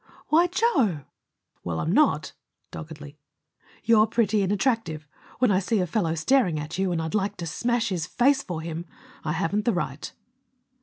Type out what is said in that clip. "Why, Joe!" "Well, I'm not" doggedly. "You're pretty and attractive. When I see a fellow staring at you, and I'd like to smash his face for him, I haven't the right."